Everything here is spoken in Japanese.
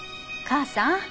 母さん？